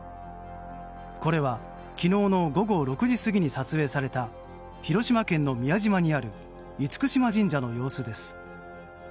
これは昨日の午後６時過ぎに撮影された広島県の宮島にある厳島神社の様子です。